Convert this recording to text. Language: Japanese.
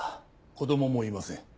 子供もいません。